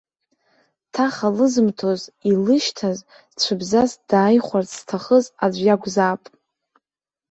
Ҭаха лызымҭоз, илышьҭаз, цәыбзас дааихәарц зҭахыз аӡәы иакәзаап.